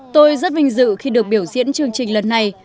tôi rất vinh dự khi được biểu diễn chương trình lần này